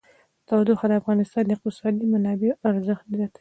تودوخه د افغانستان د اقتصادي منابعو ارزښت زیاتوي.